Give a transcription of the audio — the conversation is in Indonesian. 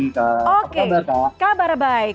oke kabar baik